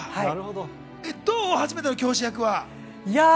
初めての教師役はどう？